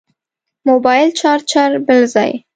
موبایل چارچر بل ځای.